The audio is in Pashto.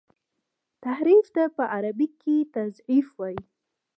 تحريف ته په عربي کي تزييف وايي.